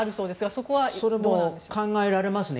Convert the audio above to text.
それも考えられますね。